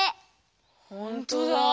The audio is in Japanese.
ほんとだ。